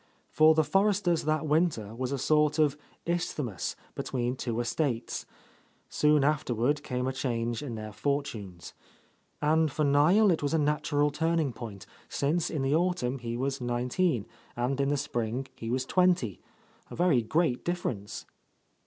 For the Forresters that winter was a sort of isth mus between two estates ; soon afterward came a change in their fortunes. And for Niel it was a natural turning point, since in the autumn he was nineteen, and in the spring he was twenty, — a very great difference.